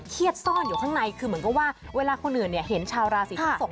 เครียดซ่อนอยู่ข้างในคือเหมือนก็ว่าเวลาคนอื่นเห็นชาวราศีพึกศก